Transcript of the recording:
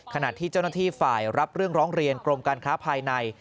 ขณะที่เจ้าหน้าที่ฝ่ายรับเรื่องร้องเรียนกรมการค้าภายใน